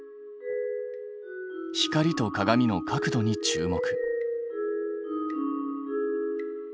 光と鏡の角度に注目。